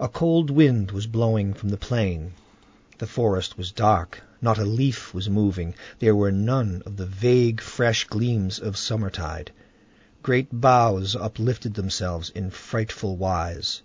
A cold wind was blowing from the plain. The forest was dark, not a leaf was moving; there were none of the vague, fresh gleams of summertide. Great boughs uplifted themselves in frightful wise.